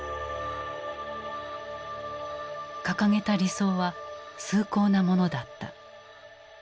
掲げた理想は崇高なものだった。